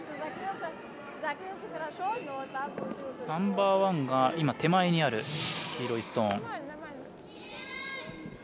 ナンバーワンが、手前にある黄色いストーン。